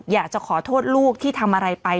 อยากจะขอโทษลูกที่ทำอะไรไป